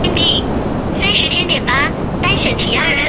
印度裔汶莱人是在文莱的外籍专业人士从印度到文莱。